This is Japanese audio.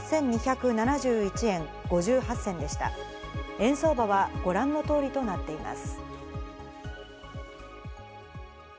円相場はご覧の通りとなっています。